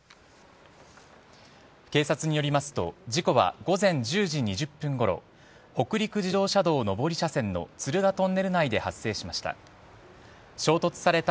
警察によりますと事故は午前１０時２０分ごろ北陸自動車道上り車線の敦賀トンネル内で発生しました。